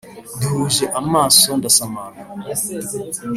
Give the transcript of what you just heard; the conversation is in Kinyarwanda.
Duhuje amaso ndasamara